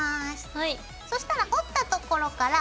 はい。